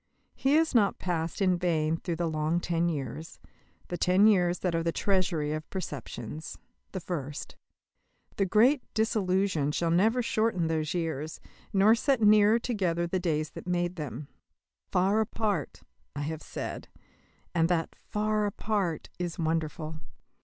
He has not passed in vain through the long ten years, the ten years that are the treasury of preceptions the first. The great disillusion shall never shorten those years, nor set nearer together the days that made them. "Far apart," I have said, and that "far apart" is wonderful.